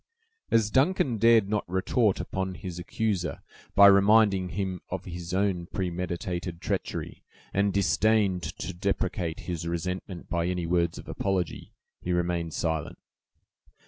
As Duncan dared not retort upon his accuser by reminding him of his own premeditated treachery, and disdained to deprecate his resentment by any words of apology, he remained silent.